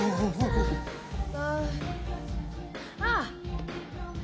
ああ！